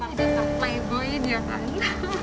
masih udah sampai boin ya kan